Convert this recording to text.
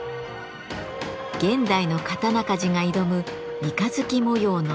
現代の刀鍛冶が挑む三日月模様の謎。